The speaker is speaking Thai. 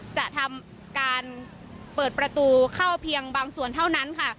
จะทำการเปิดประตูเข้าเพียงบางส่วนเท่านั้นค่ะ